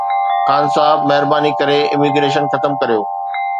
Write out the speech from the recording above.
خان صاحب، مهرباني ڪري اميگريشن ختم ڪريو